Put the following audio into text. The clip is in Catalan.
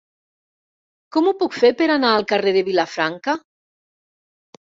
Com ho puc fer per anar al carrer de Vilafranca?